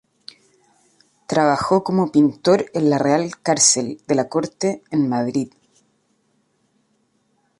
Trabajó como pintor en la Real Cárcel de la Corte, en Madrid.